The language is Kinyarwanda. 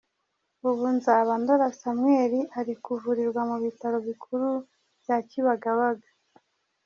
UbuNzabandora Samuel ari kuvurirwa mu bitaro bikuru bya Kibagabaga.